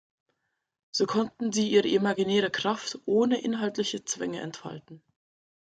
So konnten sie ihre imaginäre Kraft ohne inhaltliche Zwänge entfalten.